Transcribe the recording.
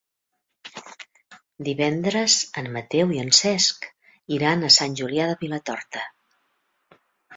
Divendres en Mateu i en Cesc iran a Sant Julià de Vilatorta.